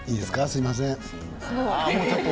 すみません。